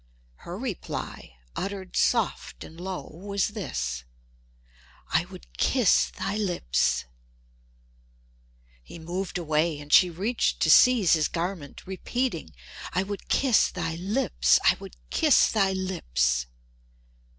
Her reply, uttered soft and low, was this: "I would kiss thy lips!" He moved away and she reached to seize his garment, repeating, "I would kiss thy lips—I would kiss thy lips!"